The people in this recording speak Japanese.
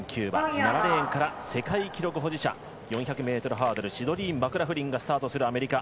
７レーンから、世界記録保持者４００ｍハードルシドニー・マクラフリンが出場するアメリカ。